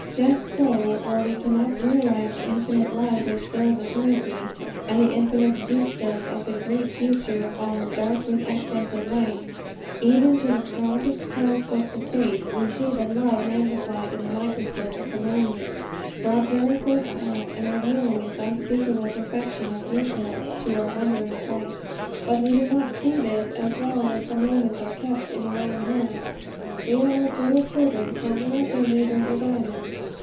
Just so, while we cannot realize the infinite love which fills eternity, and the infinite vistas of the great future are 'dark with excess of light' even to the strongest telescopes of faith, we see that love magnified in the microscope of the moments, brought very close to us, and revealing its unspeakable perfection of detail to our wondering sight. But we do not see this as long as the moments are kept in our own hands. We are like little children closing our fingers over diamonds.